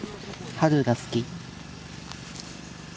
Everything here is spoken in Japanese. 春が好きか。